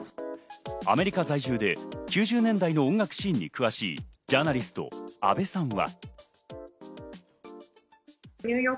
アメリカ在住で９０年代の音楽シーンに詳しいジャーナリスト、安部さんは。